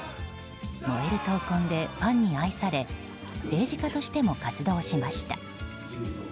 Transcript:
燃える闘魂でファンに愛され政治家としても活動しました。